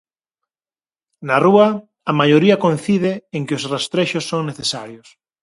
Na rúa, a maioría coincide en que os rastrexos son necesarios.